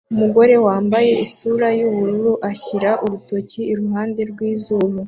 Umugore wambaye isura yubururu ashyira urutoki iruhande rwizuru